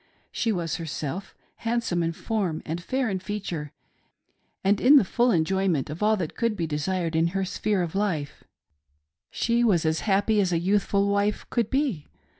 She was herself hand" some in form and fair in feature, and, in the full enjoyment of all that could be desired in her sphere of life, she was as happy I4S TRAITORS TO OURSELVES. as a youthful wife could be.